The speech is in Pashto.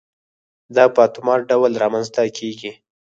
دا په اتومات ډول رامنځته کېږي.